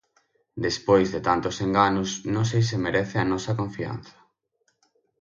Despois de tantos enganos non sei se merece a nosa confianza.